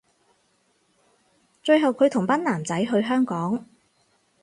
最後距同個同班男仔去香港